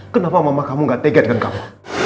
kenapa mama kamu gak tegatkan kamu